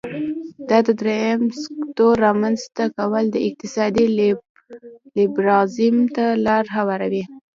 دا د دریم سکتور رامینځ ته کول د اقتصادي لیبرالیزم ته لار هواروي.